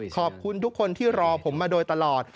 ขอบคุณทุกคนที่รอผมมาโดยตลอด